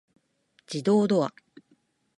自動ドア